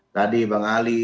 tadi bang ali